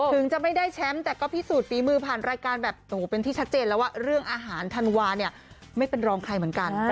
ถึงจะไม่ได้แชมป์แต่ก็พิสูจนฝีมือผ่านรายการแบบเป็นที่ชัดเจนแล้วว่าเรื่องอาหารธันวาเนี่ยไม่เป็นรองใครเหมือนกัน